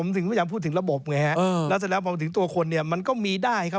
ถึงตัวคนเนี่ยมันก็มีได้ครับ